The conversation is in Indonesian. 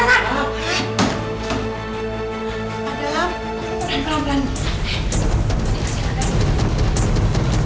serah serah serah